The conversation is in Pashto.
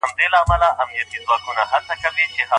ښځه څنګه طبابت زده کولای سي؟